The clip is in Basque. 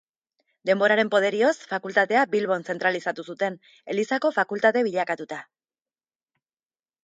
Denboraren poderioz Fakultatea Bilbon zentralizatu zuten, Elizako Fakultate bilakatuta.